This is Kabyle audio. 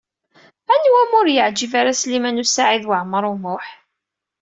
Anwa umi ur yeɛjib ara Sliman U Saɛid Waɛmaṛ U Muḥ?